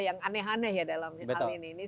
yang aneh aneh ya dalam hal ini